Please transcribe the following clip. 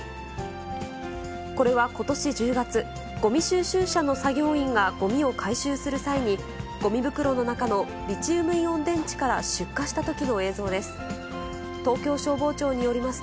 これはことし１０月、ごみ収集車の作業員が、ごみを回収する際に、ごみ袋の中のリチウムイオン電池から出火したときの映像です。